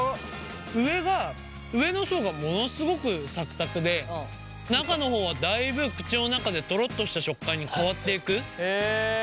上が上の層がものすごくサクサクで中の方はだいぶ口の中でトロッとした食感に変わっていく。